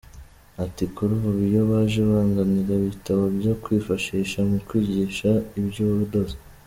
Ati “Kuri ubu iyo baje banzanira ibitabo byo kwifashisha mu kwigisha iby’ubudozi.